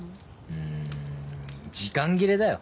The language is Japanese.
うん時間切れだよ。